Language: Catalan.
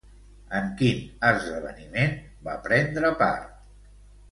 En quin esdeveniment va prendre part?